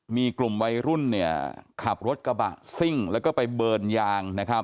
มีกลุ่มวัยรุ่นเนี่ยขับรถกระบะซิ่งแล้วก็ไปเบิร์นยางนะครับ